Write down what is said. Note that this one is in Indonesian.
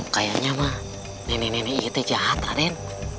kayaknya ma nenek nenek itu jahat raden